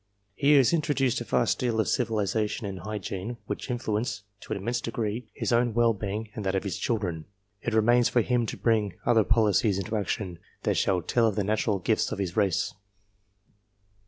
He has introduced a vast deal of civilization and hygiene which influence, in an immense degree, his own well being and that of his children ; it remains for him to bring other policies into action, that shall tell on the natural gifts of his race.